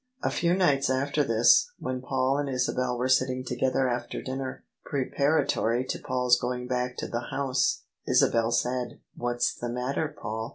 A few nights after this, when Paul and Isabel were sitting together after dinner, preparatory to Paul's going back to the House, Isabel said: "What's the matter, Paul?